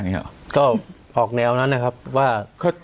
ก็ออกแนวนั้นนะครับว่า